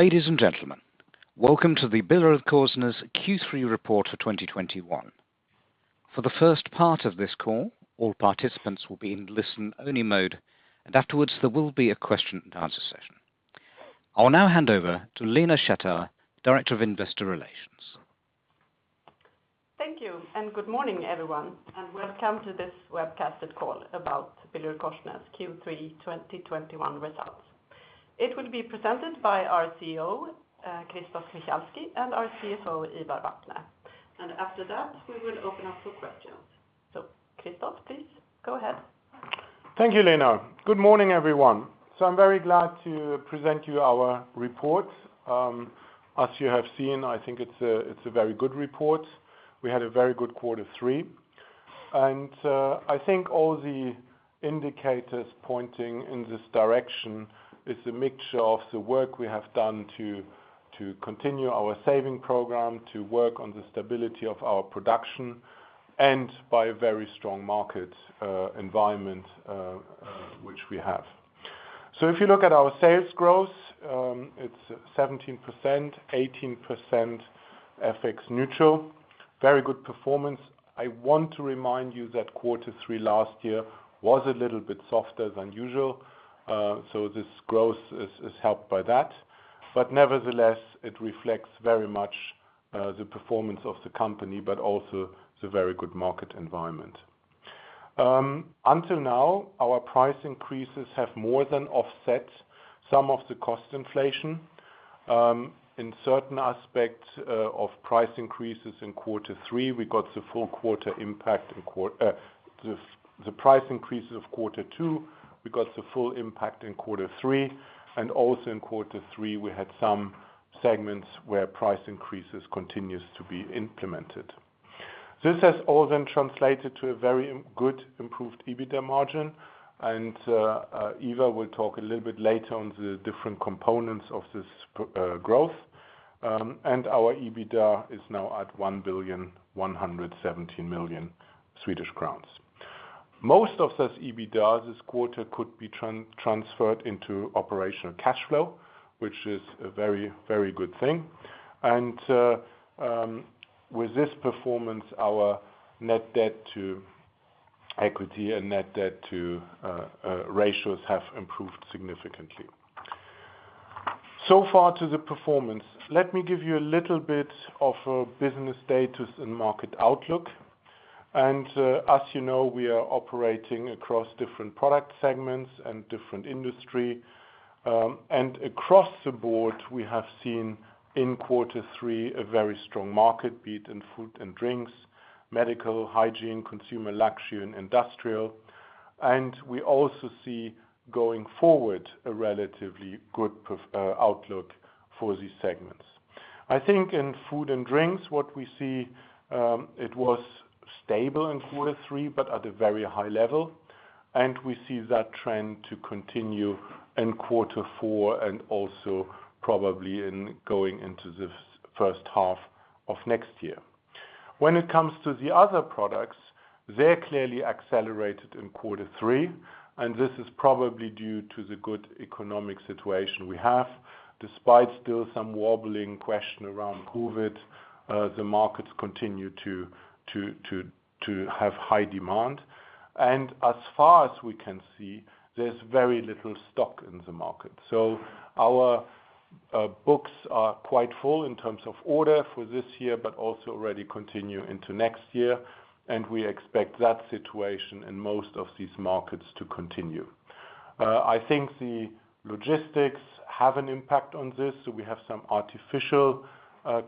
Ladies and gentlemen, welcome to the BillerudKorsnäs Q3 report for 2021. For the first part of this call, all participants will be in listen-only mode, and afterwards, there will be a question and answer session. I will now hand over to Lena Schattauer, Director of Investor Relations. Thank you and good morning, everyone. Welcome to this webcasted call about BillerudKorsnäs Q3 2021 results. It will be presented by our CEO, Christoph Michalski, and our CFO, Ivar Vatne. After that, we will open up for questions. Christoph, please go ahead. Thank you, Lena. Good morning, everyone. I'm very glad to present you our report. As you have seen, I think it's a very good report. We had a very good quarter three, and I think all the indicators pointing in this direction is a mixture of the work we have done to continue our saving program, to work on the stability of our production, and by a very strong market environment, which we have. If you look at our sales growth, it's 17%, 18% FX neutral. Very good performance. I want to remind you that quarter three last year was a little bit softer than usual. This growth is helped by that. Nevertheless, it reflects very much the performance of the company, but also the very good market environment. Until now, our price increases have more than offset some of the cost inflation. In certain aspects of price increases in quarter three, we got the price increases of quarter two, we got the full impact in quarter three, and also in quarter three, we had some segments where price increases continues to be implemented. This has all then translated to a very good improved EBITDA margin. Ivar will talk a little bit later on the different components of this growth. Our EBITDA is now at 1,117 million Swedish crowns. Most of this EBITDA this quarter could be transferred into operational cash flow, which is a very good thing. With this performance, our net debt to equity and net debt to ratios have improved significantly. Far to the performance. Let me give you a little bit of a business status and market outlook. As you know, we are operating across different product segments and different industry. Across the board, we have seen in Q3 a very strong market, be it in food and drinks, medical, hygiene, consumer luxury, and industrial. We also see going forward a relatively good outlook for these segments. I think in food and drinks, what we see, it was stable in Q3, but at a very high level, and we see that trend to continue in Q4 and also probably in going into the first half of next year. When it comes to the other products, they're clearly accelerated in Q3, and this is probably due to the good economic situation we have. Despite still some wobbling question around COVID, the markets continue to have high demand. As far as we can see, there's very little stock in the market. Our books are quite full in terms of orders for this year, but also already continue into next year, and we expect that situation in most of these markets to continue. I think the logistics have an impact on this, so we have some artificial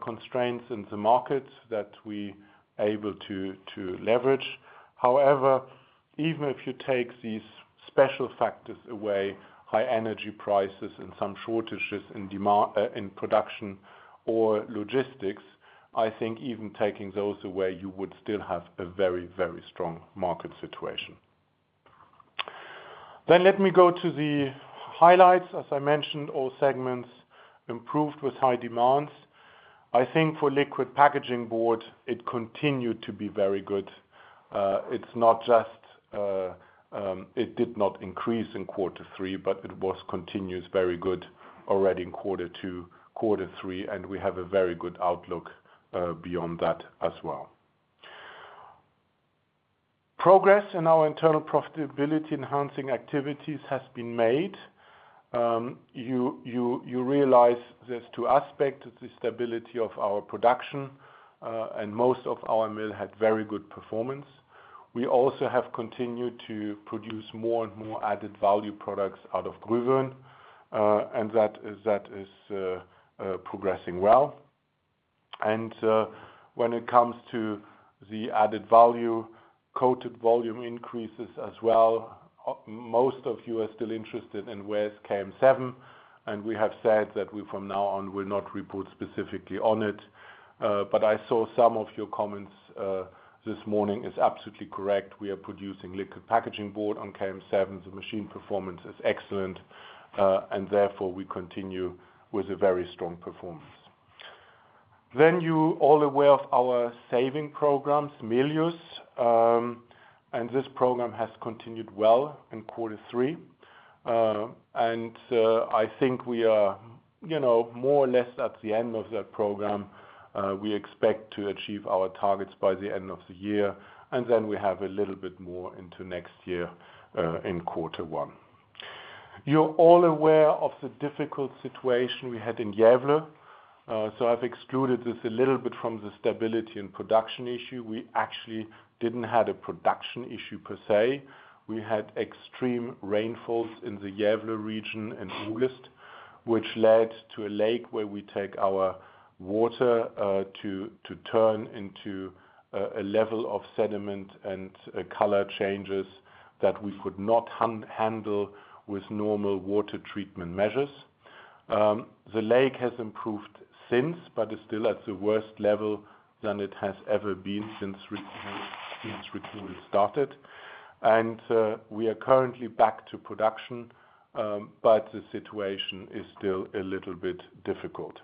constraints in the markets that we are able to leverage. However, even if you take these special factors away, high energy prices and some shortages in production or logistics, I think even taking those away, you would still have a very strong market situation. Let me go to the highlights. As I mentioned, all segments improved with high demands. I think for liquid packaging board, it continued to be very good. It did not increase in quarter three, but it was continuously very good already in quarter two, quarter three, and we have a very good outlook beyond that as well. Progress in our internal profitability enhancing activities has been made. You realize there's two aspects to the stability of our production, and most of our mill had very good performance. We also have continued to produce more and more added value products out of Gruvön, and that is progressing well. When it comes to the added value, coated volume increases as well. Most of you are still interested in where is KM7, and we have said that we from now on will not report specifically on it. I saw some of your comments, this morning is absolutely correct. We are producing liquid packaging board on KM7. The machine performance is excellent, and therefore we continue with a very strong performance. You all aware of our saving programs, Miljos, and this program has continued well in Q3. I think we are more or less at the end of that program. We expect to achieve our targets by the end of the year, then we have a little bit more into next year, in quarter one. You're all aware of the difficult situation we had in Gävle. I've excluded this a little bit from the stability and production issue. We actually didn't have a production issue per se. We had extreme rainfalls in the Gävle region in August. Which led to a lake where we take our water, to turn into a level of sediment and color changes that we could not handle with normal water treatment measures. The lake has improved since, is still at the worst level than it has ever been since recovery started. We are currently back to production, the situation is still a little bit difficult.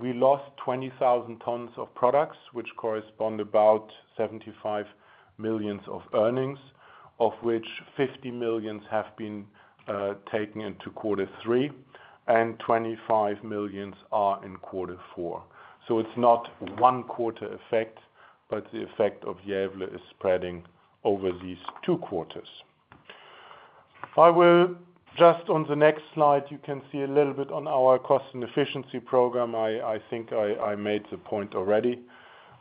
We lost 20,000 tons of products, which correspond about 75 million of earnings, of which 50 million have been taken into Q3 and 25 million are in Q4. It's not one quarter effect, but the effect of Gävle is spreading over these two quarters. I will just on the next slide you can see a little bit on our Cost and Efficiency Program. I think I made the point already.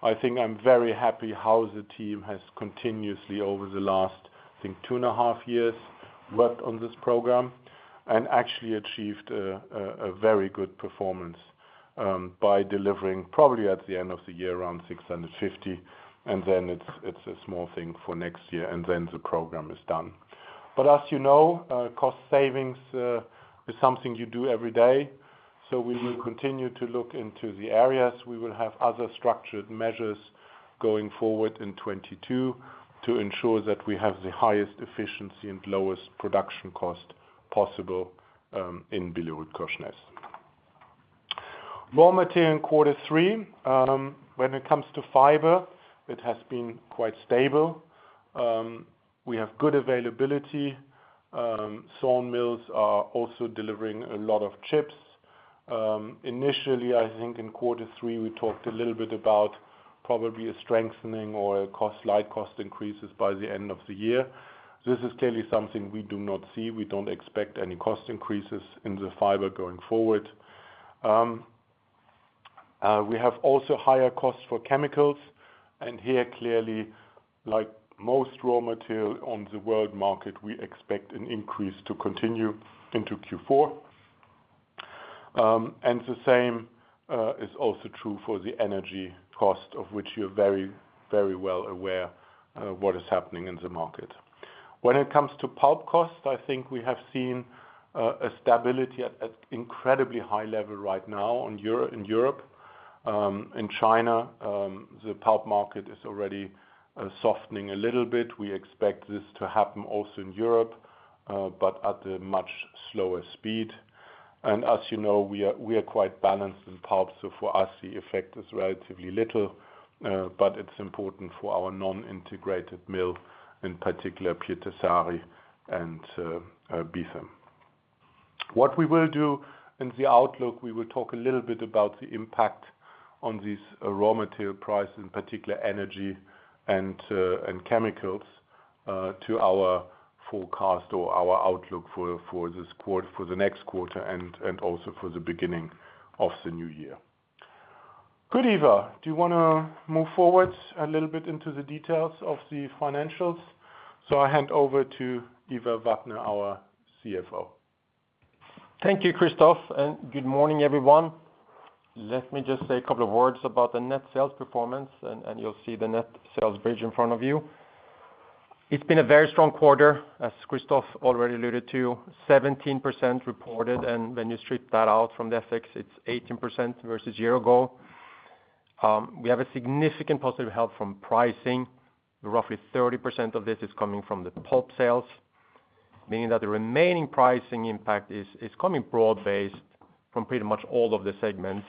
I think I'm very happy how the team has continuously over the last, I think, 2.5 years worked on this Program and actually achieved a very good performance, by delivering probably at the end of the year around 650 million. Then it's a small thing for next year, and then the Program is done. As you know, cost savings is something you do every day. We will continue to look into the areas. We will have other structured measures going forward in 2022 to ensure that we have the highest efficiency and lowest production cost possible, in BillerudKorsnäs. Raw material in quarter three. When it comes to fiber, it has been quite stable. We have good availability. Sawmills are also delivering a lot of chips. Initially, I think in quarter three, we talked a little bit about probably a strengthening or light cost increases by the end of the year. This is clearly something we do not see. We don't expect any cost increases in the fiber going forward. We have also higher costs for chemicals, and here clearly, like most raw material on the world market, we expect an increase to continue into Q4. The same is also true for the energy cost, of which you're very well aware of what is happening in the market. When it comes to pulp cost, I think we have seen a stability at incredibly high level right now in Europe. In China, the pulp market is already softening a little bit. We expect this to happen also in Europe, but at a much slower speed. As you know, we are quite balanced in pulp, so for us, the effect is relatively little. It's important for our non-integrated mill, in particular, Pietarsaari and Beetham. What we will do in the outlook, we will talk a little bit about the impact on these raw material prices, in particular, energy and chemicals, to our forecast or our outlook for the next quarter and also for the beginning of the new year. Good. Ivar, do you want to move forward a little bit into the details of the financials? I hand over to Ivar Vatne, our CFO. Thank you, Christoph, and good morning, everyone. Let me just say a couple of words about the net sales performance, and you'll see the net sales bridge in front of you. It's been a very strong quarter, as Christoph already alluded to, 17% reported, and when you strip that out from the FX, it's 18% versus year-ago. We have a significant positive help from pricing. Roughly 30% of this is coming from the pulp sales, meaning that the remaining pricing impact is coming broad-based from pretty much all of the segments,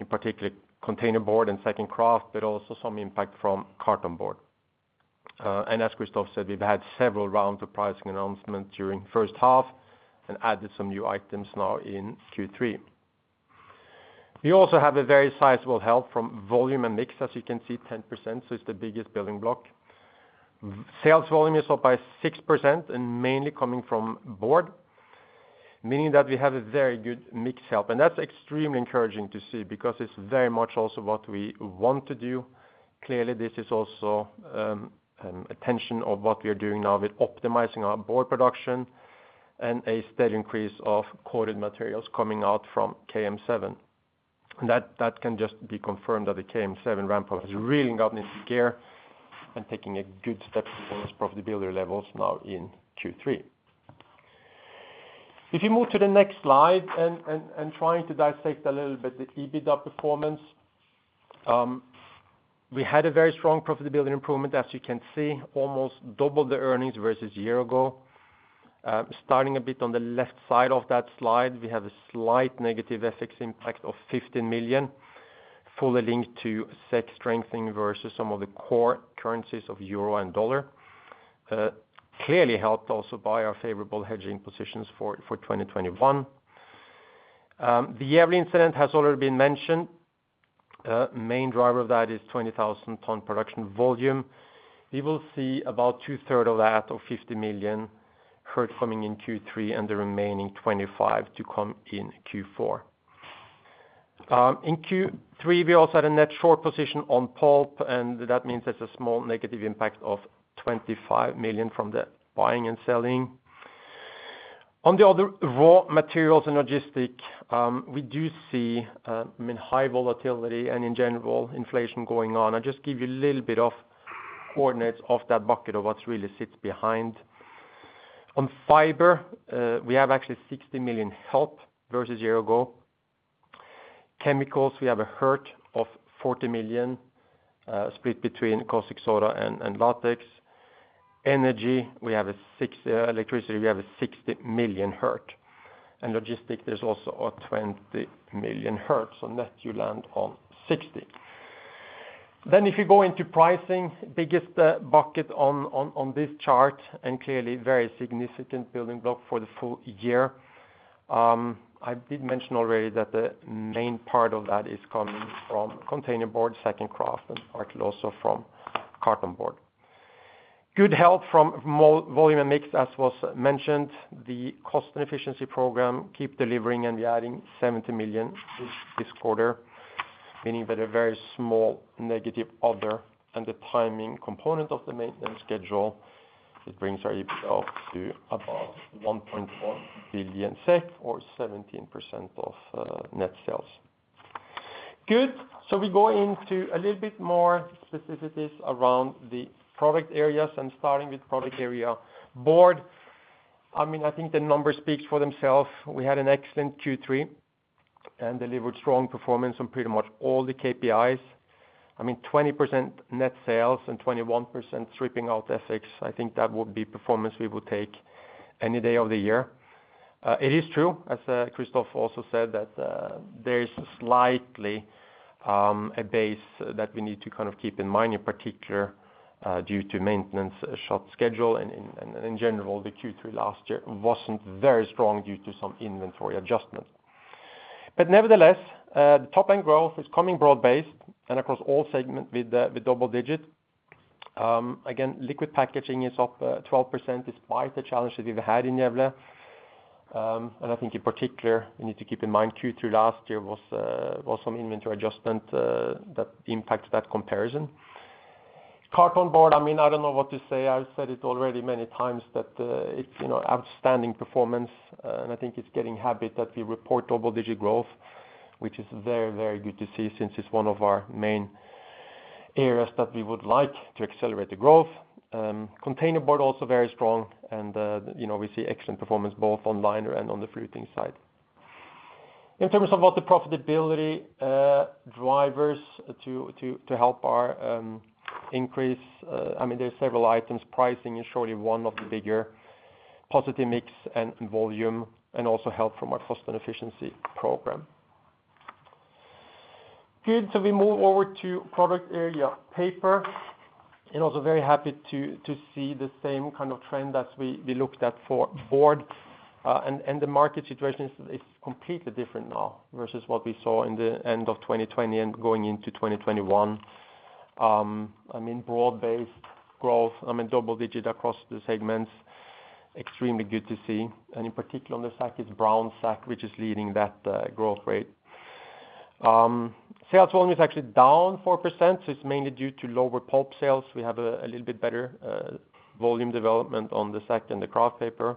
in particular containerboard and sack and kraft, but also some impact from cartonboard. As Christoph said, we've had several rounds of pricing announcements during the first half and added some new items now in Q3. We also have a very sizable help from volume and mix. As you can see, 10%. It's the biggest building block. Sales volume is up by 6%, mainly coming from board, meaning that we have a very good mix help. That's extremely encouraging to see because it's very much also what we want to do. Clearly, this is also attention of what we are doing now with optimizing our board production and a steady increase of coated materials coming out from KM7. That can just be confirmed that the KM7 ramp-up has really gotten into gear and taking a good step towards profitability levels now in Q3. If you move to the next slide, trying to dissect a little bit the EBITDA performance. We had a very strong profitability improvement, as you can see, almost double the earnings versus a year ago. Starting a bit on the left side of that slide, we have a slight negative FX impact of 15 million, fully linked to SEK strengthening versus some of the core currencies of EUR and USD. Clearly helped also by our favorable hedging positions for 2021. The Gävle incident has already been mentioned. Main driver of that is 20,000 tons production volume. We will see about two-thirds of that, or 50 million, coming in Q3 and the remaining 25 million to come in Q4. In Q3, we also had a net short position on pulp, and that means there's a small negative impact of 25 million from the buying and selling. On the other raw materials and logistics, we do see high volatility and in general, inflation going on. I'll just give you a little bit of coordinates of that bucket of what really sits behind. On fiber, we have actually 60 million help versus a year ago. Chemicals, we have a hurt of 40 million, split between caustic soda and latex. Energy, we have a 60 million hurt. Logistic, there's also a 20 million hurt, so net you land on 60. If you go into pricing, biggest bucket on this chart and clearly very significant building block for the full year. I did mention already that the main part of that is coming from containerboard, sack and kraft, and partly also from cartonboard. Good help from volume and mix, as was mentioned. The cost and efficiency program keep delivering, and we're adding 70 million this quarter, meaning that a very small negative other and the timing component of the maintenance schedule, it brings our EBIT up to above 1.1 billion SEK, or 17% of net sales. Good. We go into a little bit more specific around the product areas and starting with product area board. I think the numbers speak for themselves. We had an excellent Q3 and delivered strong performance on pretty much all the KPIs. 20% net sales and 21% stripping out FX, I think that would be performance we would take any day of the year. It is true, as Christoph also said, that there is slightly a base that we need to keep in mind, in particular due to maintenance shop schedule and in general, the Q3 last year wasn't very strong due to some inventory adjustments. Nevertheless, the top-end growth is coming broad-based and across all segment with double-digit. Again, liquid packaging is up 12% despite the challenge that we've had in Gävle. I think in particular, we need to keep in mind Q3 last year was some inventory adjustment that impacted that comparison. Cartonboard, I don't know what to say. I've said it already many times that it's outstanding performance, and I think it's getting habit that we report double-digit growth, which is very good to see since it's one of our main areas that we would like to accelerate the growth. Containerboard also very strong, and we see excellent performance both on liner and on the fluting side. In terms of what the profitability drivers to help our increase, there's several items. Pricing is surely one of the bigger positive mix and volume, and also help from our cost and efficiency program. Good. We move over to product area paper, and also very happy to see the same kind of trend as we looked at for board. The market situation is completely different now versus what we saw in the end of 2020 and going into 2021. Broad-based growth, double-digit across the segments, extremely good to see. In particular on the sack is brown sack, which is leading that growth rate. Sales volume is actually down 4%. It's mainly due to lower pulp sales. We have a little bit better volume development on the sack and the kraft paper.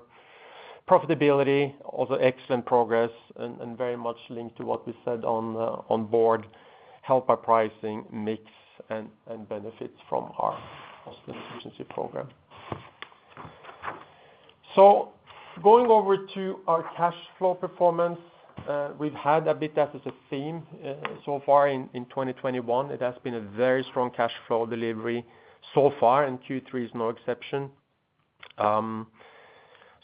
Profitability, also excellent progress and very much linked to what we said on board, helped by pricing, mix, and benefits from our Cost and Efficiency Program. Going over to our cash flow performance. We've had a bit as a theme so far in 2021. It has been a very strong cash flow delivery so far, and Q3 is no exception.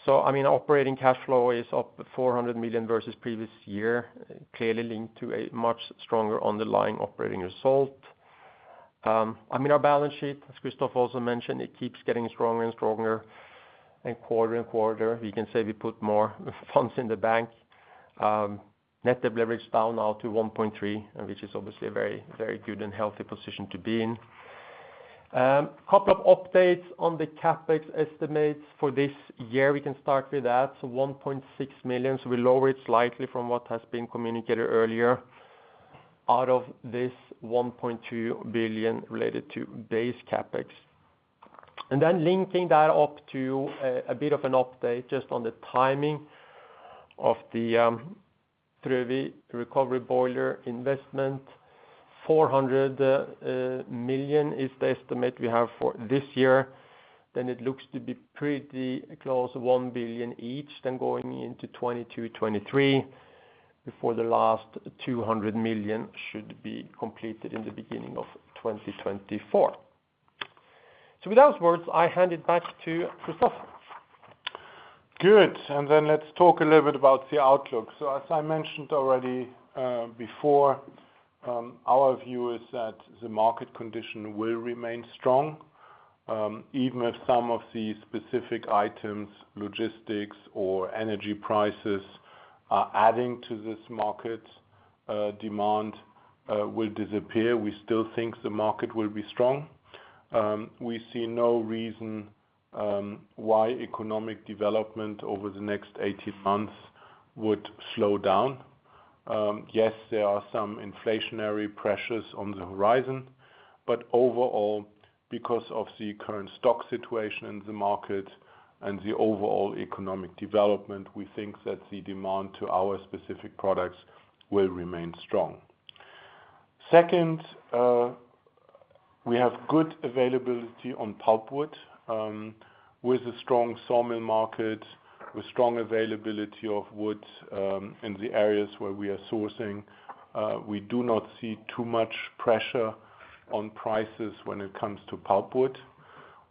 Operating cash flow is up 400 million versus previous year, clearly linked to a much stronger underlying operating result. Our balance sheet, as Christoph also mentioned, it keeps getting stronger and stronger in quarter and quarter. We can say we put more funds in the bank. Net debt leverage down now to 1.3, which is obviously a very good and healthy position to be in. Couple of updates on the CapEx estimates for this year. We can start with that. 1.6 billion, so we lower it slightly from what has been communicated earlier. Out of this, 1.2 billion related to base CapEx. Linking that up to a bit of an update just on the timing of the Frövi recovery boiler investment. 400 million is the estimate we have for this year. It looks to be pretty close, 1 billion each, going into 2022, 2023, before the last 200 million should be completed in the beginning of 2024. With those words, I hand it back to Christoph. Good. Let's talk a little bit about the outlook. As I mentioned already before, our view is that the market condition will remain strong, even if some of the specific items, logistics or energy prices, are adding to this market demand will disappear. We still think the market will be strong. We see no reason why economic development over the next 18 months would slow down. Yes, there are some inflationary pressures on the horizon, overall, because of the current stock situation in the market and the overall economic development, we think that the demand to our specific products will remain strong. Second, we have good availability on pulpwood. With a strong sawmill market, with strong availability of woods in the areas where we are sourcing, we do not see too much pressure on prices when it comes to pulpwood.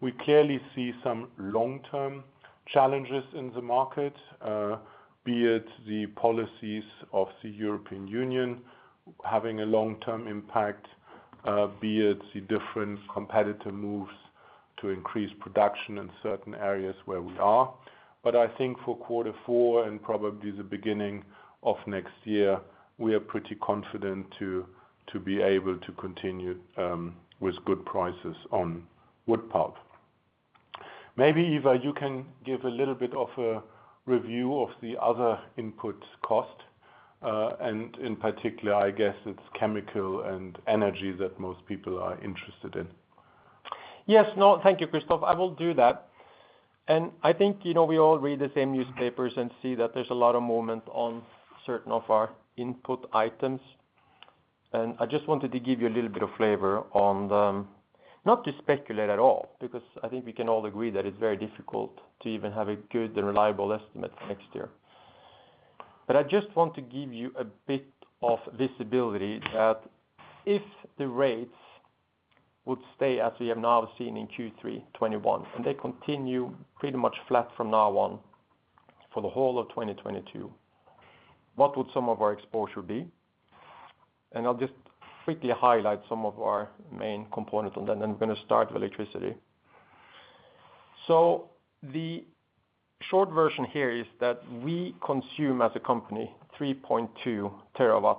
We clearly see some long-term challenges in the market, be it the policies of the European Union having a long-term impact, be it the different competitor moves to increase production in certain areas where we are. I think for quarter four and probably the beginning of next year, we are pretty confident to be able to continue with good prices on wood pulp. Maybe, Ivar, you can give a little bit of a review of the other input cost. In particular, I guess it's chemical and energy that most people are interested in. Yes. No, thank you, Christoph. I will do that. I think, we all read the same newspapers and see that there's a lot of movement on certain of our input items. I just wanted to give you a little bit of flavor on not to speculate at all, because I think we can all agree that it's very difficult to even have a good and reliable estimate for next year. I just want to give you a bit of visibility that if the rates would stay as we have now seen in Q3 2021, and they continue pretty much flat from now on for the whole of 2022, what would some of our exposure be? I'll just quickly highlight some of our main components on that, and I'm going to start with electricity. The short version here is that we consume, as a company, 3.2TW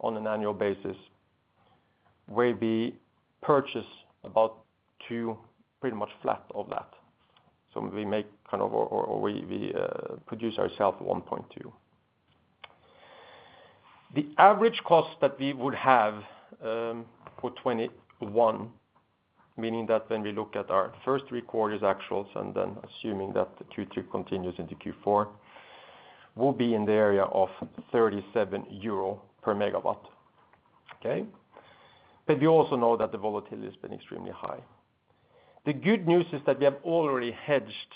on an annual basis, where we purchase about two, pretty much flat, of that. We make or we produce ourself 1.2. The average cost that we would have for 2021, meaning that when we look at our first three quarters' actuals, and then assuming that the Q2 continues into Q4, will be in the area of 37 euro per megawatt. Okay. We also know that the volatility has been extremely high. The good news is that we have already hedged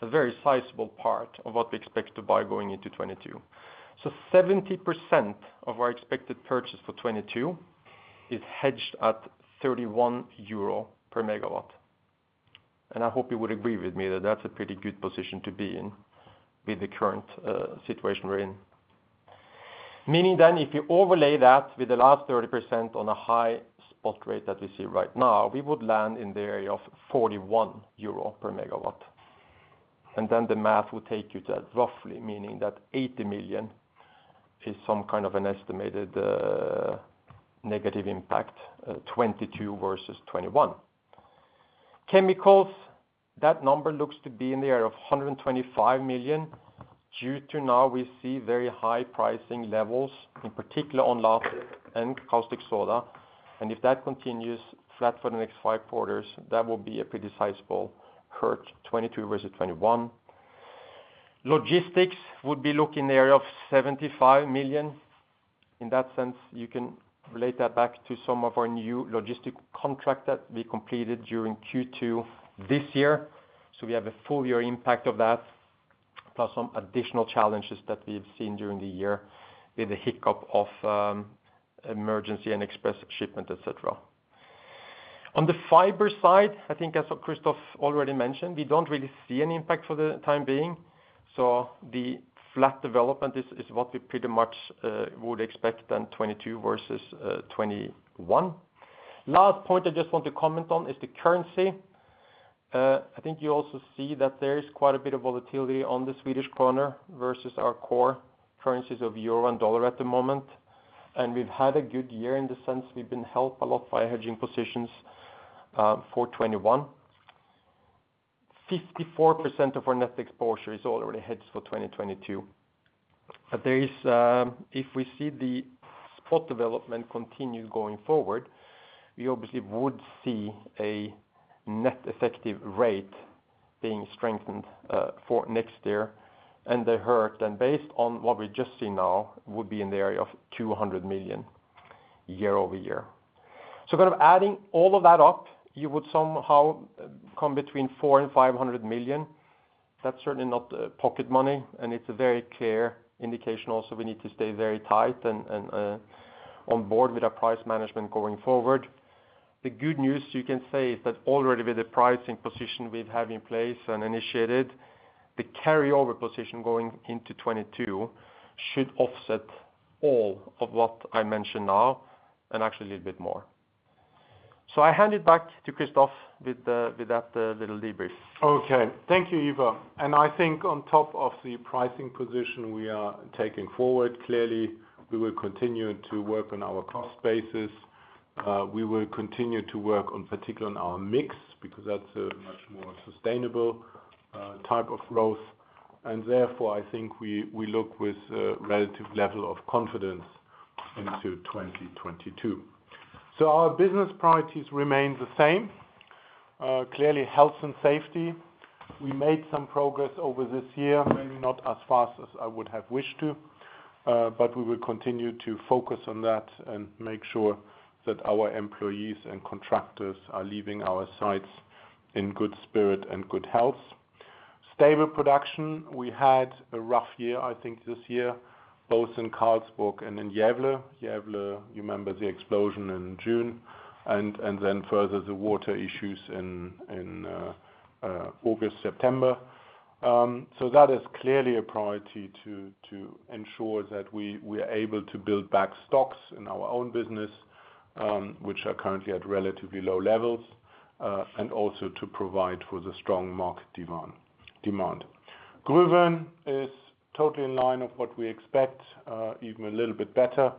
a very sizable part of what we expect to buy going into 2022. 70% of our expected purchase for 2022 is hedged at 31 euro per megawatt. I hope you would agree with me that that's a pretty good position to be in with the current situation we're in. Meaning then if you overlay that with the last 30% on a high spot rate that we see right now, we would land in the area of 41 euro per megawatt. The math would take you to that, roughly meaning that 80 million is some kind of an estimated negative impact, 2022 versus 2021. Chemicals, that number looks to be in the area of 125 million due to now we see very high pricing levels, in particular on latex and caustic soda. If that continues flat for the next five quarters, that will be a pretty sizable hurt, 2022 versus 2021. Logistics would be look in the area of 75 million. In that sense, you can relate that back to some of our new logistic contract that we completed during Q2 this year. We have a full year impact of that, plus some additional challenges that we've seen during the year with the hiccup of emergency and express shipment, et cetera. On the fiber side, I think as what Christoph already mentioned, we don't really see any impact for the time being. The flat development is what we pretty much would expect in 2022 versus 2021. Last point I just want to comment on is the currency. I think you also see that there is quite a bit of volatility on the SEK versus our core currencies of EUR and USD at the moment. We've had a good year in the sense we've been helped a lot by hedging positions for 2021. 54% of our net exposure is already hedged for 2022. If we see the spot development continue going forward, we obviously would see a net effective rate being strengthened for next year. The hurt then, based on what we've just seen now, would be in the area of 200 million year-over-year. Adding all of that up, you would somehow come between 400 million and 500 million. That's certainly not pocket money, and it's a very clear indication also we need to stay very tight and on board with our price management going forward. The good news you can say is that already with the pricing position we have in place and initiated, the carryover position going into 2022 should offset all of what I mentioned now and actually a little bit more. I hand it back to Christoph with that little debrief. Okay. Thank you, Ivar. I think on top of the pricing position we are taking forward, clearly we will continue to work on our cost basis. We will continue to work in particular on our mix, because that's a much more sustainable type of growth. Therefore, I think we look with a relative level of confidence into 2022. Our business priorities remain the same. Clearly, health and safety. We made some progress over this year, maybe not as fast as I would have wished to. We will continue to focus on that and make sure that our employees and contractors are leaving our sites in good spirit and good health. Stable production. We had a rough year, I think, this year, both in Karlsborg and in Gävle. Gävle, you remember the explosion in June, then further, the water issues in August, September. That is clearly a priority to ensure that we are able to build back stocks in our own business, which are currently at relatively low levels, and also to provide for the strong market demand. Gruvön is totally in line of what we expect, even a little bit better.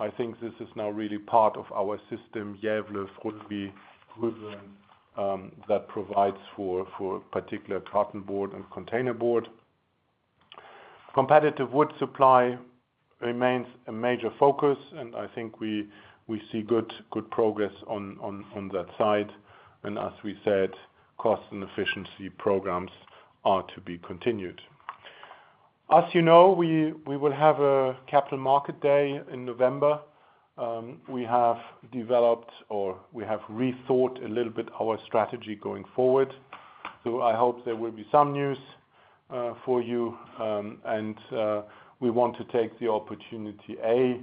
I think this is now really part of our system, Gävle, Grums, Gruvön, that provides for particular cartonboard and containerboard. Competitive wood supply remains a major focus, and I think we see good progress on that side. As we said, cost and efficiency programme are to be continued. As you know, we will have a capital market day in November. We have developed, or we have rethought a little bit our strategy going forward. I hope there will be some news for you, and we want to take the opportunity, A,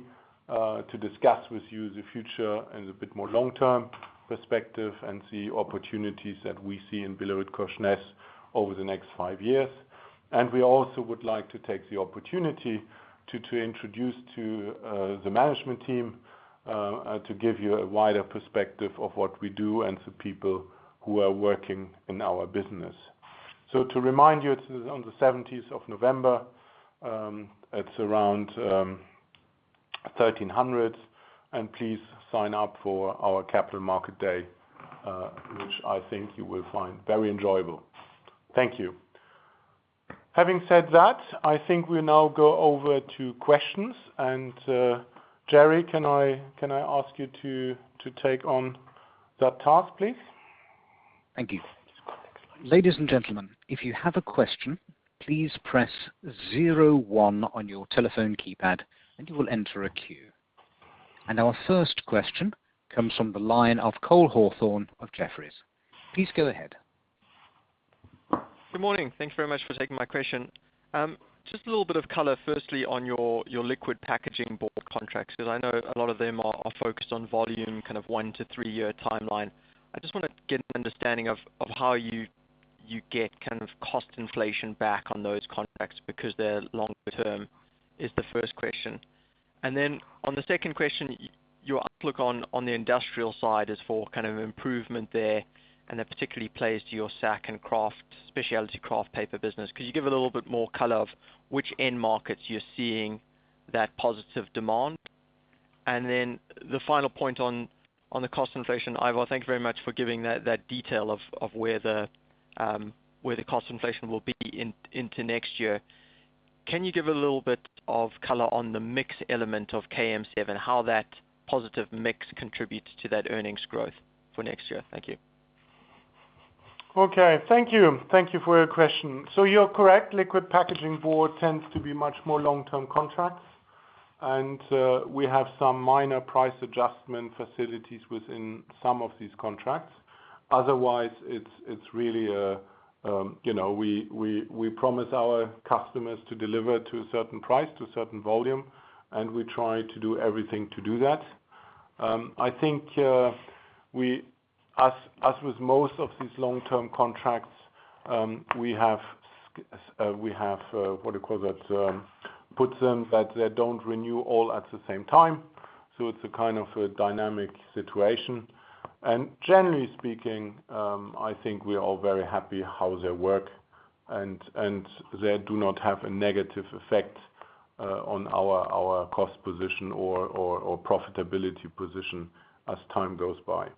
to discuss with you the future and a bit more long-term perspective and the opportunities that we see in BillerudKorsnäs over the next five years. We also would like to take the opportunity to introduce to the management team, to give you a wider perspective of what we do and the people who are working in our business. To remind you, it is on the 17th of November. It's around 1:00 P.M. Please sign up for our Capital Markets Day, which I think you will find very enjoyable. Thank you. Having said that, I think we now go over to questions, and Jerry, can I ask you to take on that task, please? Thank you. Ladies and gentlemen. Our first question comes from the line of Cole Hathorn of Jefferies. Please go ahead. Good morning. Thanks very much for taking my question. Just a little bit of color, firstly, on your liquid packaging board contracts, because I know a lot of them are focused on volume, kind of 1-3 year timeline. I just want to get an understanding of how you get kind of cost inflation back on those contracts because they're long-term, is the first question. On the second question, your outlook on the industrial side is for kind of improvement there, and that particularly plays to your sack and kraft, specialty kraft paper business. Could you give a little bit more color of which end markets you're seeing that positive demand? On the final point on the cost inflation, Ivar, thank you very much for giving that detail of where the cost inflation will be into next year. Can you give a little bit of color on the mix element of KM7, how that positive mix contributes to that earnings growth for next year? Thank you. Okay. Thank you for your question. You're correct. Liquid packaging board tends to be much more long-term contracts, and we have some minor price adjustment facilities within some of these contracts. Otherwise, we promise our customers to deliver to a certain price, to a certain volume, and we try to do everything to do that. I think as with most of these long-term contracts, we have, what do you call that? Puts them that they don't renew all at the same time, it's a kind of a dynamic situation. Generally speaking, I think we are all very happy how they work, and they do not have a negative effect on our cost position or profitability position as time goes by.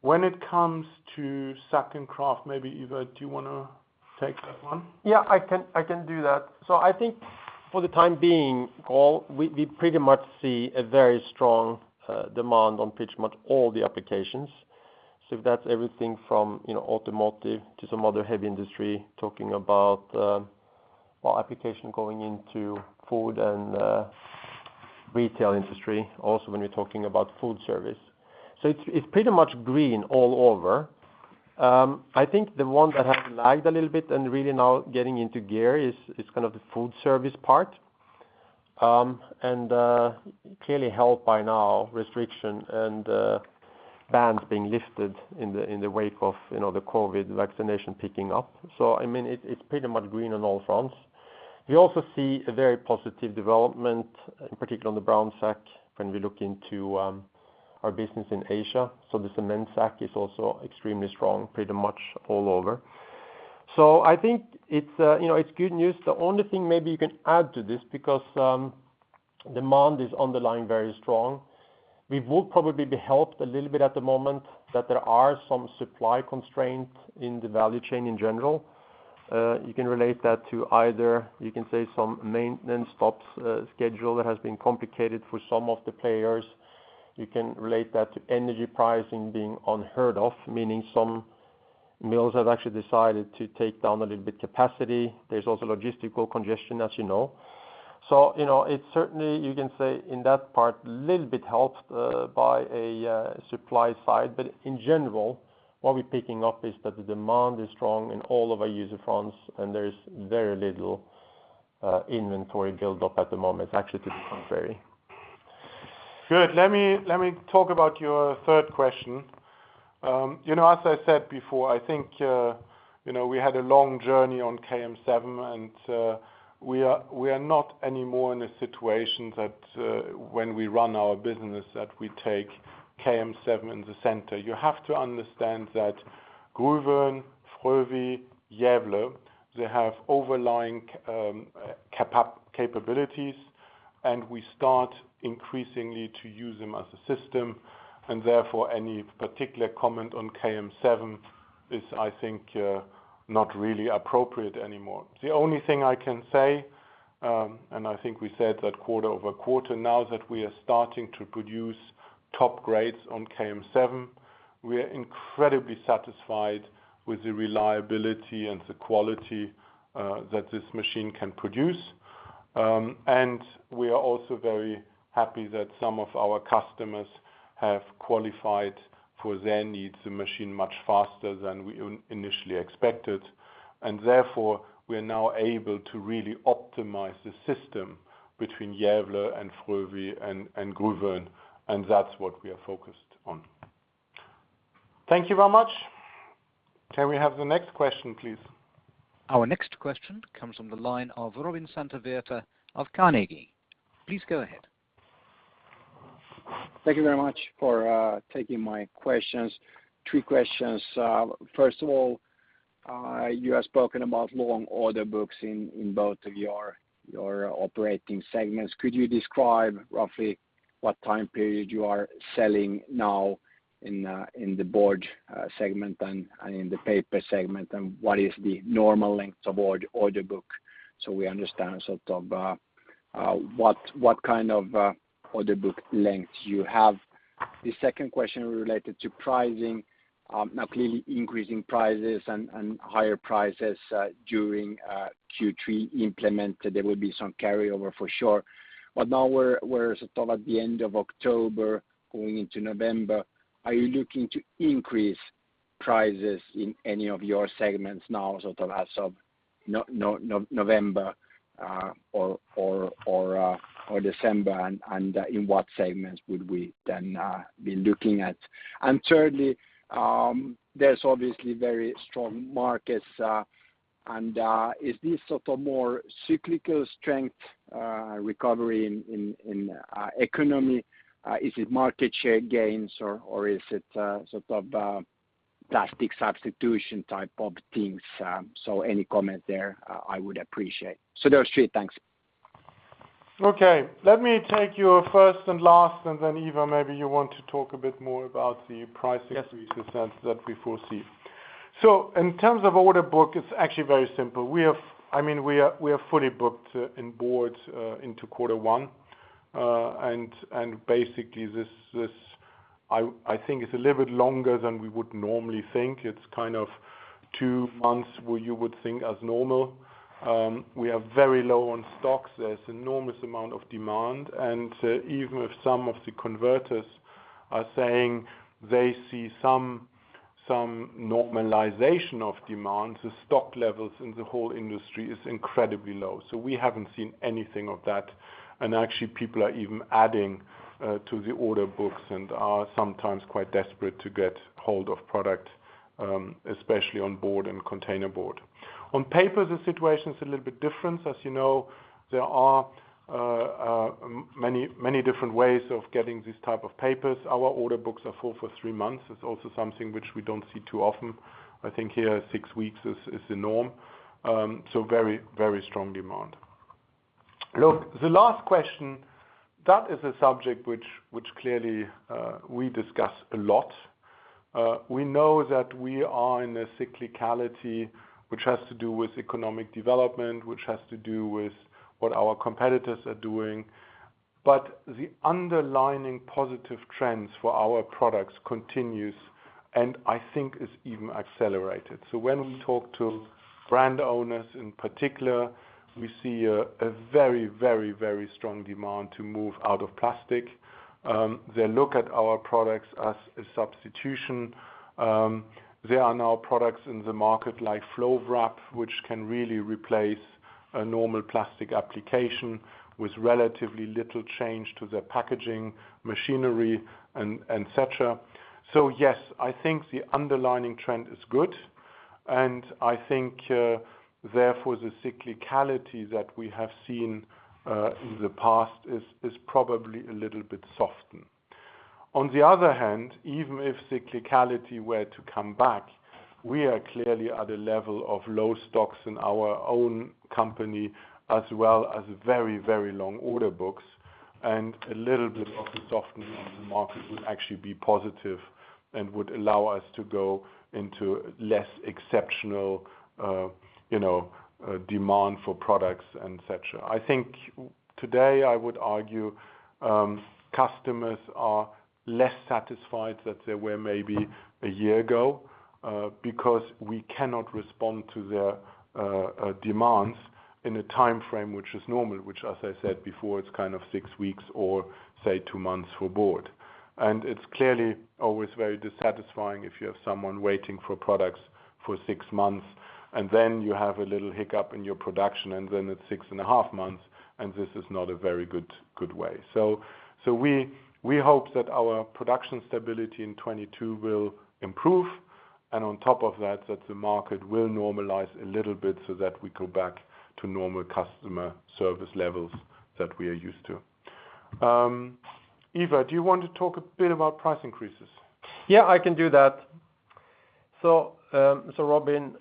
When it comes to sack and kraft, maybe Ivar, do you want to take that one? Yeah, I can do that. I think for the time being, Cole, we pretty much see a very strong demand on pretty much all the applications. That's everything from automotive to some other heavy industry, talking about our application going into food and retail industry, also when we're talking about food service. It's pretty much green all over. I think the one that has lagged a little bit and really now getting into gear is the food service part. Clearly helped by now restriction and bans being lifted in the wake of the COVID vaccination picking up. It's pretty much green on all fronts. We also see a very positive development, in particular on the brown sack when we look into our business in Asia. The cement sack is also extremely strong, pretty much all over. I think it's good news. The only thing maybe you can add to this, because demand is underlying very strong, we would probably be helped a little bit at the moment that there are some supply constraints in the value chain in general. You can relate that to either, you can say some maintenance stops schedule that has been complicated for some of the players. You can relate that to energy pricing being unheard of, meaning some mills have actually decided to take down a little bit capacity. There's also logistical congestion, as you know. It's certainly, you can say in that part, a little bit helped by a supply side. In general, what we're picking up is that the demand is strong in all of our user fronts and there is very little inventory build up at the moment. To the contrary. Good. Let me talk about your third question. As I said before, I think we had a long journey on KM7 and we are not anymore in a situation that when we run our business, that we take KM7 in the center. You have to understand that Gruvön, Frövi, Gävle, they have overlying capabilities, and we start increasingly to use them as a system. Therefore, any particular comment on KM7 is, I think, not really appropriate anymore. The only thing I can say, and I think we said that quarter over quarter now that we are starting to produce top grades on KM7, we are incredibly satisfied with the reliability and the quality that this machine can produce. We are also very happy that some of our customers have qualified for their needs the machine much faster than we initially expected. Therefore, we are now able to really optimize the system between Gävle and Frövi and Gruvön, and that's what we are focused on. Thank you very much. Can we have the next question, please? Our next question comes from the line of Robin Santavirta of Carnegie. Please go ahead. Thank you very much for taking my questions. Three questions. First of all, you have spoken about long order books in both of your operating segments. Could you describe roughly what time period you are selling now in the board segment and in the paper segment? What is the normal length of order book so we understand sort of what kind of order book length you have. The second question related to pricing. Now clearly increasing prices and higher prices during Q3 implement, there will be some carryover for sure. Now we're sort of at the end of October going into November. Are you looking to increase prices in any of your segments now, sort of as of November or December, and in what segments would we then be looking at? Thirdly, there's obviously very strong markets. Is this sort of more cyclical strength recovery in economy? Is it market share gains or is it sort of plastic substitution type of things? Any comment there, I would appreciate. Those three. Thanks. Okay. Let me take your first and last, and then Ivar, maybe you want to talk a bit more about the pricing increases that we foresee. In terms of order book, it's actually very simple. We are fully booked in boards into quarter one. Basically, I think it's a little bit longer than we would normally think. It's kind of two months where you would think as normal. We are very low on stocks. There's enormous amount of demand. Even if some of the converters are saying they see some normalization of demand, the stock levels in the whole industry is incredibly low. We haven't seen anything of that. Actually, people are even adding to the order books and are sometimes quite desperate to get hold of product, especially on board and containerboard. On paper, the situation is a little bit different. As you know, there are many different ways of getting these type of papers. Our order books are full for three months. It's also something which we don't see too often. I think here, 6 weeks is the norm. Very strong demand. Look, the last question, that is a subject which clearly we discuss a lot. We know that we are in a cyclicality, which has to do with economic development, which has to do with what our competitors are doing. The underlying positive trends for our products continues, and I think is even accelerated. When we talk to brand owners in particular, we see a very strong demand to move out of plastic. They look at our products as a substitution. There are now products in the market like Flow Wrap, which can really replace a normal plastic application with relatively little change to the packaging machinery and et cetera. Yes, I think the underlying trend is good, and I think, therefore, the cyclicality that we have seen in the past is probably a little bit soften. On the other hand, even if cyclicality were to come back, we are clearly at a level of low stocks in our own company as well as very long order books. A little bit of a softening of the market would actually be positive and would allow us to go into less exceptional demand for products et cetera. I think today I would argue customers are less satisfied than they were maybe a year ago because we cannot respond to their demands in a timeframe which is normal, which as I said before, it's 6 weeks or say, 2 months for board. It's clearly always very dissatisfying if you have someone waiting for products for six months, and then you have a little hiccup in your production and then it's six and a half months, and this is not a very good way. We hope that our production stability in 2022 will improve. On top of that the market will normalize a little bit so that we go back to normal customer service levels that we are used to. Ivar, do you want to talk a bit about price increases? Yeah, I can do that. Robin,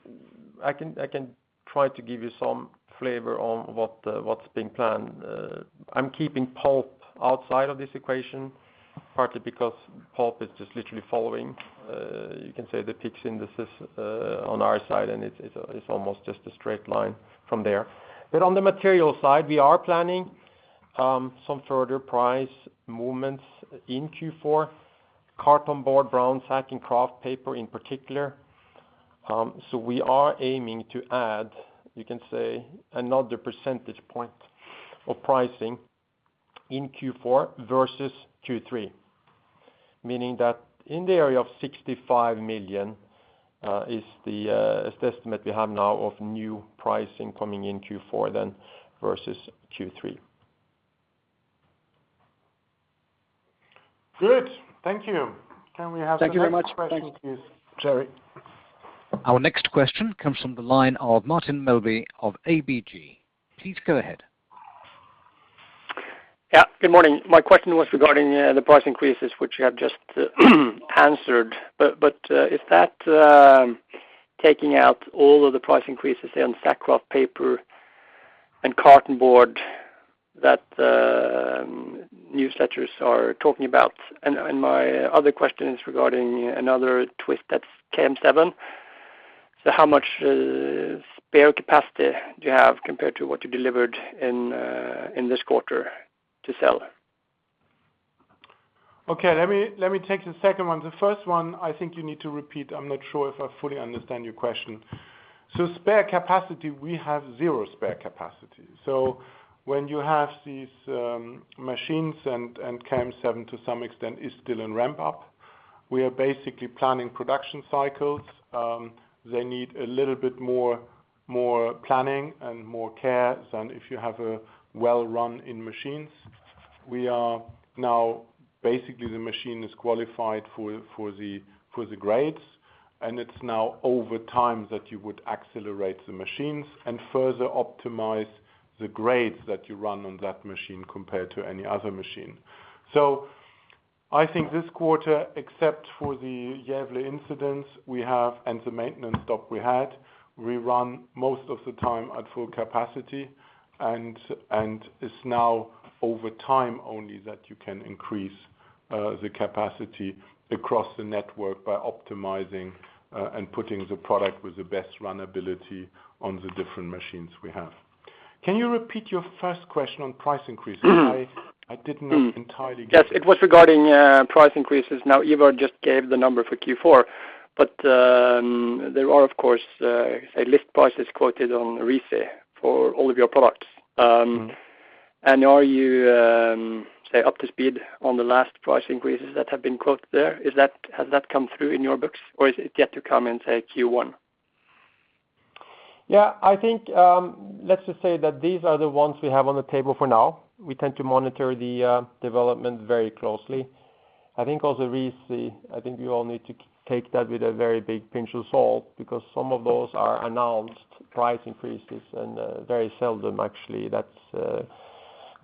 I can try to give you some flavor on what's been planned. I'm keeping pulp outside of this equation, partly because pulp is just literally following, you can say the PIX indices, on our side, and it's almost just a straight line from there. On the material side, we are planning some further price movements in Q4, cartonboard, brown sack paper, and kraft paper in particular. We are aiming to add, you can say, another percentage point of pricing in Q4 versus Q3, meaning that in the area of 65 million, is the estimate we have now of new pricing coming in Q4 then versus Q3. Good. Thank you. Can we have the next question, please? Thank you very much. Thanks. Our next question comes from the line of Martin Melbye of ABG. Please go ahead. Yeah. Good morning. My question was regarding the price increases, which you have just answered. Is that taking out all of the price increases, say, on sack kraft paper and cartonboard that newsletters are talking about? My other question is regarding another twist at KM7. How much spare capacity do you have compared to what you delivered in this quarter to sell? Okay. Let me take the second one. The first one, I think you need to repeat. I'm not sure if I fully understand your question. Spare capacity, we have zero spare capacity. When you have these machines, and KM7 to some extent is still in ramp-up, we are basically planning production cycles. They need a little bit more planning and more care than if you have a well run-in machines. Now, basically, the machine is qualified for the grades, and it's now over time that you would accelerate the machines and further optimize the grades that you run on that machine compared to any other machine. I think this quarter, except for the Gävle incident we have and the maintenance stock we had, we run most of the time at full capacity, and it's now over time only that you can increase the capacity across the network by optimizing, and putting the product with the best runability on the different machines we have. Can you repeat your first question on price increases? I did not entirely get it. Yes. It was regarding price increases. Ivar just gave the number for Q4. There are, of course, list prices quoted on RISI for all of your products. Are you, say, up to speed on the last price increases that have been quoted there? Has that come through in your books, or is it yet to come in, say, Q1? Yeah, I think, let's just say that these are the ones we have on the table for now. We tend to monitor the development very closely. I think also RISI, I think we all need to take that with a very big pinch of salt, because some of those are announced price increases and, very seldom actually that's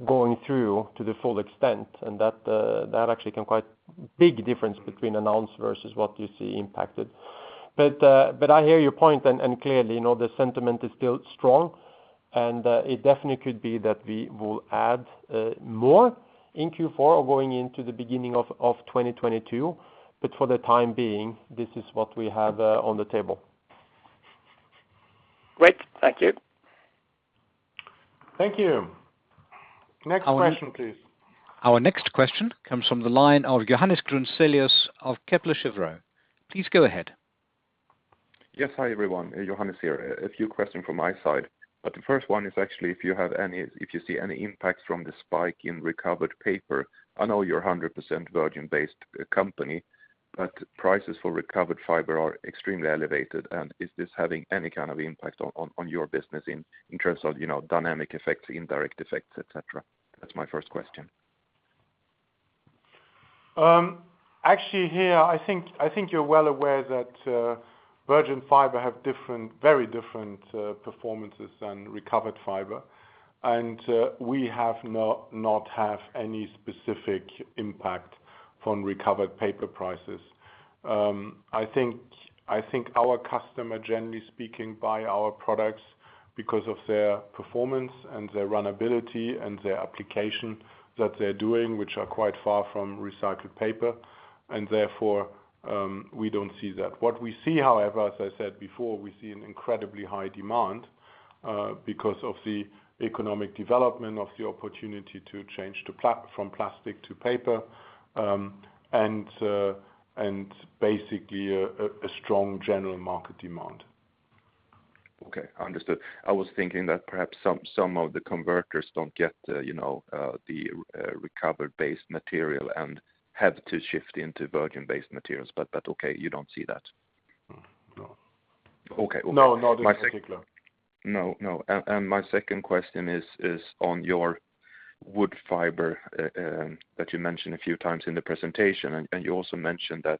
going through to the full extent and that actually can quite big difference between announced versus what you see impacted. I hear your point and clearly, the sentiment is still strong and it definitely could be that we will add more in Q4 or going into the beginning of 2022. For the time being, this is what we have on the table. Great. Thank you. Thank you. Next question, please. Our next question comes from the line of Johannes Grunselius of Kepler Cheuvreux. Please go ahead. Yes. Hi, everyone. Johannes here. A few questions from my side, but the first one is actually if you see any impacts from the spike in recovered paper. I know you're a 100% virgin-based company, but prices for recovered fiber are extremely elevated. Is this having any kind of impact on your business in terms of dynamic effects, indirect effects, et cetera? That's my first question. Actually, here I think you're well aware that virgin fiber have very different performances than recovered fiber. We have not have any specific impact from recovered paper prices. I think our customer, generally speaking, buy our products because of their performance and their runnability and their application that they're doing, which are quite far from recycled paper. Therefore, we don't see that. What we see, however, as I said before, we see an incredibly high demand because of the economic development of the opportunity to change from plastic to paper, and basically, a strong general market demand. Okay, understood. I was thinking that perhaps some of the converters don't get the recovered-based material and had to shift into virgin-based materials. Okay, you don't see that? No. Okay. No. Not in particular. No. My second question is on your wood fiber that you mentioned a few times in the presentation, and you also mentioned that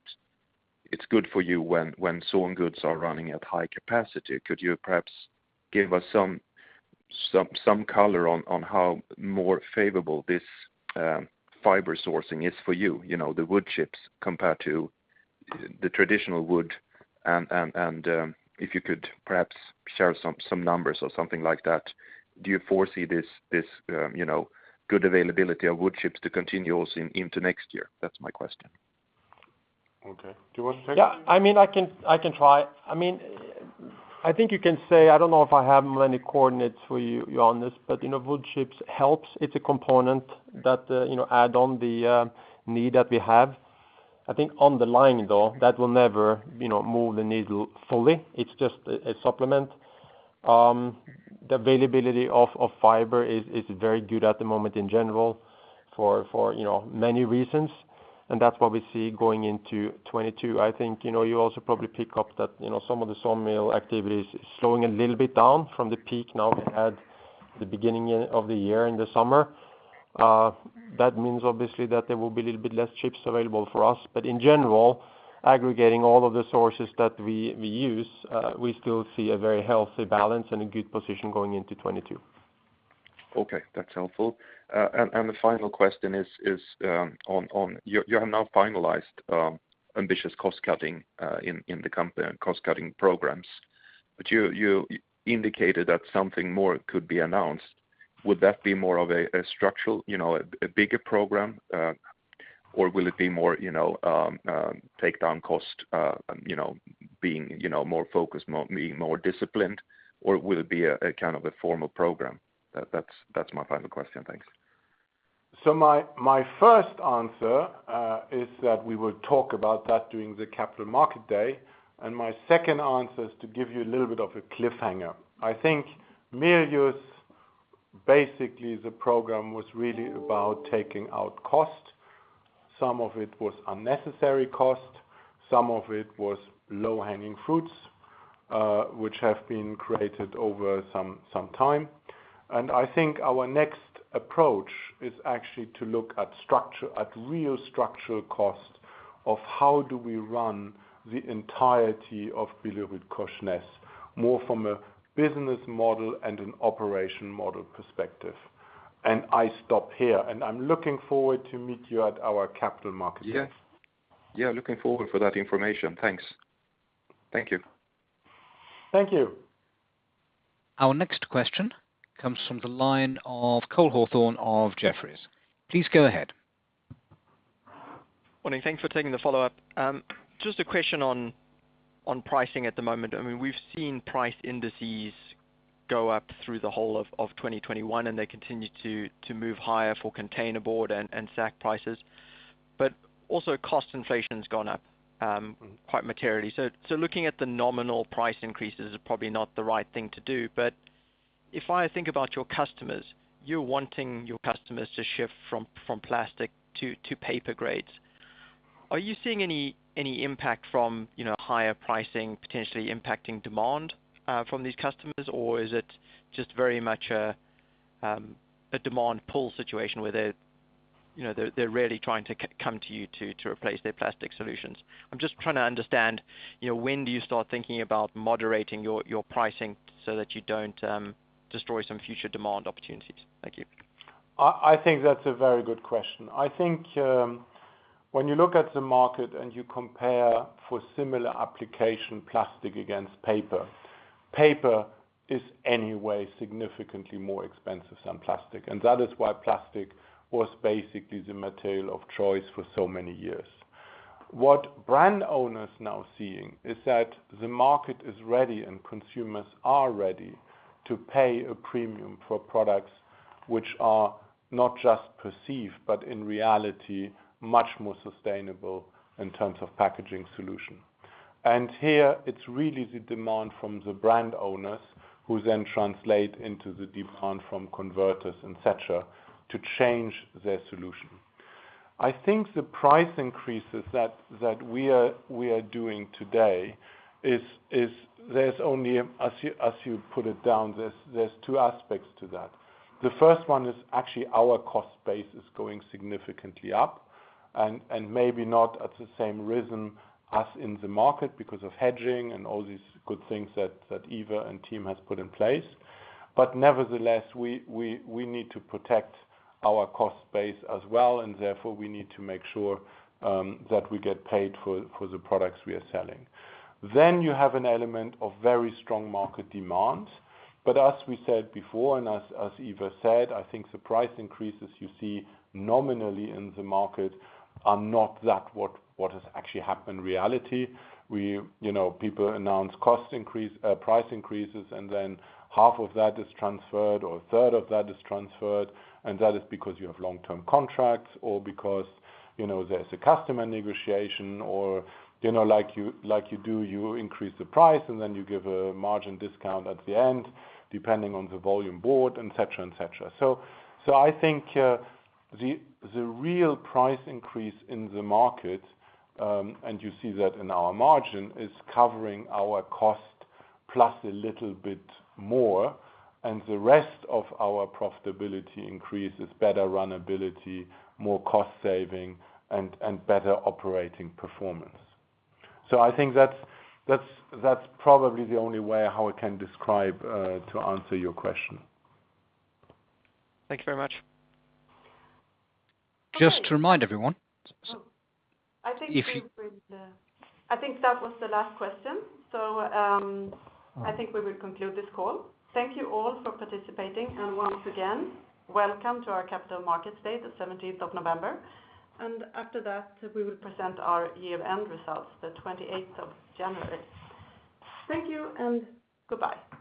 it's good for you when sawn goods are running at high capacity. Could you perhaps give us some color on how more favorable this fiber sourcing is for you, the wood chips compared to the traditional wood? If you could perhaps share some numbers or something like that. Do you foresee this good availability of wood chips to continue also into next year? That's my question. Okay. Do you want to take this? Yeah. I can try. I think you can say, I don't know if I have many coordinates for you on this, but wood chips helps. It's a component that add on the need that we have. I think underlying, though, that will never move the needle fully. It's just a supplement. The availability of fiber is very good at the moment in general for many reasons. That's what we see going into 2022. I think, you also probably pick up that some of the sawmill activity is slowing a little bit down from the peak now we had the beginning of the year, in the summer. That means obviously that there will be a little bit less chips available for us. In general, aggregating all of the sources that we use, we still see a very healthy balance and a good position going into 2022. Okay. That's helpful. The final question is on, you have now finalized ambitious cost-cutting in the company, cost-cutting programs. You indicated that something more could be announced. Would that be more of a structural, a bigger program? Or will it be more take down cost, being more focused, being more disciplined? Or will it be a kind of a formal program? That's my final question. Thanks. My first answer is that we will talk about that during the Capital Market Day. My second answer is to give you a little bit of a cliffhanger. I think Miljos, basically, the program was really about taking out cost. Some of it was unnecessary cost, some of it was low-hanging fruits, which have been created over some time. I think our next approach is actually to look at real structural cost of how do we run the entirety of BillerudKorsnäs, more from a business model and an operation model perspective. I stop here, and I'm looking forward to meet you at our Capital Market Day. Yes. Looking forward for that information. Thanks. Thank you. Thank you. Our next question comes from the line of Cole Hathorn of Jefferies. Please go ahead. Morning. Thanks for taking the follow-up. A question on pricing at the moment. We've seen price indices go up through the whole of 2021, they continue to move higher for containerboard and sack prices. Also cost inflation has gone up quite materially. Looking at the nominal price increases is probably not the right thing to do. If I think about your customers, you're wanting your customers to shift from plastic to paper grades. Are you seeing any impact from higher pricing potentially impacting demand from these customers? Is it just very much a demand pull situation where they're really trying to come to you to replace their plastic solutions? I'm just trying to understand, when do you start thinking about moderating your pricing so that you don't destroy some future demand opportunities? Thank you. I think that's a very good question. I think, when you look at the market and you compare for similar application plastic against paper is anyway significantly more expensive than plastic. That is why plastic was basically the material of choice for so many years. What brand owners now seeing is that the market is ready and consumers are ready to pay a premium for products which are not just perceived, but in reality, much more sustainable in terms of packaging solution. Here it's really the demand from the brand owners who then translate into the demand from converters, et cetera, to change their solution. I think the price increases that we are doing today is, there's only, as you put it down, there's two aspects to that. The first one is actually our cost base is going significantly up and maybe not at the same rhythm as in the market because of hedging and all these good things that Ivar and team has put in place. Nevertheless, we need to protect our cost base as well, and therefore, we need to make sure that we get paid for the products we are selling. You have an element of very strong market demand. As we said before, and as Ivar said, I think the price increases you see nominally in the market are not that what has actually happened in reality. People announce price increases, and then half of that is transferred or a third of that is transferred, and that is because you have long-term contracts or because there's a customer negotiation or like you do, you increase the price and then you give a margin discount at the end, depending on the volume bought, et cetera. I think the real price increase in the market, and you see that in our margin, is covering our cost plus a little bit more and the rest of our profitability increase is better runnability, more cost saving and better operating performance. I think that's probably the only way how I can describe, to answer your question. Thank you very much. Just to remind everyone. I think that was the last question. I think we will conclude this call. Thank you all for participating, and once again, welcome to our Capital Market Day the 17th of November. After that, we will present our year-end results the 28th of January. Thank you and goodbye. Thank you.